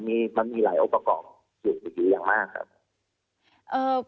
มันมีหลายอุปกรณ์อยู่อย่างมากครับ